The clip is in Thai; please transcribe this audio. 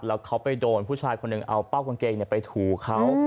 แล้วเขาไปโดนผู้ชายคนหนึ่งเอาเป้ากางเกงไปถูเขา